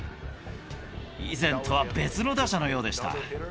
以前とは別の打者のようでした。